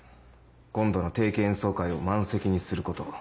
今度の定期演奏会を満席にすること。